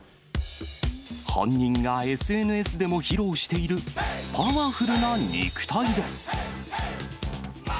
本人がＳＮＳでも披露しているパワフルな肉体です。